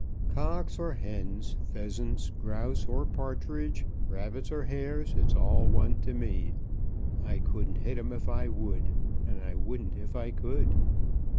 "Cocks or hens, pheasants, grouse, or partridge, rabbits or hares, it's all one to me. I couldn't hit 'em if I would, and I wouldn't if I could."